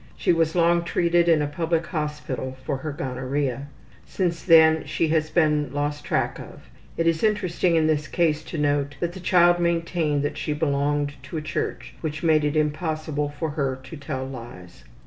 She was long treated in a public hospital for her gonorrhea. Since then she has been lost track of. It is interesting in this case to note that the child maintained that she belonged to a church, which made it impossible for her to tell lies.